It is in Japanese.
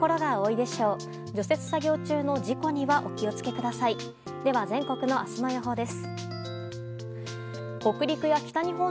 では、全国の明日の予報です。